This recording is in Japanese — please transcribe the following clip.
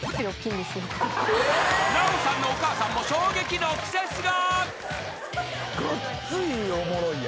［奈緒さんのお母さんも衝撃のクセスゴ］